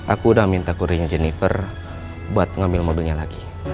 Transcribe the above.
aku udah minta kurinya jennifer buat ngambil modulnya lagi